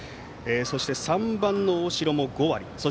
そして、３番の大城も５割。